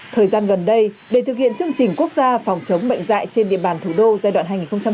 thời gian gần đây để thực hiện chương trình quốc gia phòng chống bệnh dạy trên địa bàn thủ đô giai đoạn hai nghìn hai mươi hai hai nghìn ba mươi